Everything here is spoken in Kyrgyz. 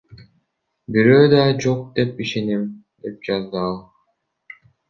Бирөө да жок деп ишенем, — деп жазды ал.